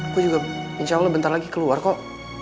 aku juga insya allah bentar lagi keluar kok